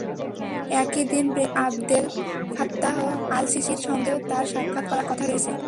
একই দিন president Abdel Fattah আল-সিসির সঙ্গেও তাঁর সাক্ষাৎ করার কথা রয়েছে।